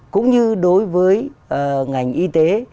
cũng như đối với ngành y tế